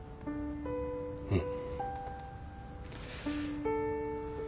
うん。